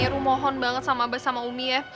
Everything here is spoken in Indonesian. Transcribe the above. rumohon banget sama abah sama umi ya